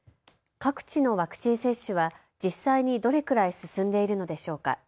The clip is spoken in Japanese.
各地のワクチン接種は実際にどれくらい進んでいるのでしょうか。